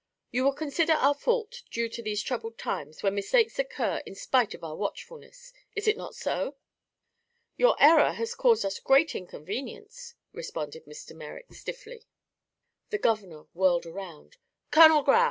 You will consider our fault due to these troubled times, when mistakes occur in spite of our watchfulness. Is it not so?" "Your error has caused us great inconvenience," responded Mr. Merrick stiffly. The governor whirled around. "Colonel Grau!"